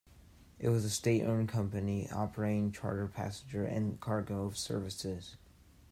It was a state-owned company operating charter passenger and cargo services.